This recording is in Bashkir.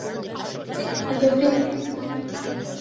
Тик ғифрит: